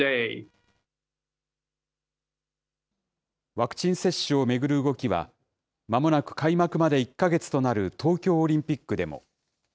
ワクチン接種を巡る動きは、まもなく開幕まで１か月となる東京オリンピックでも。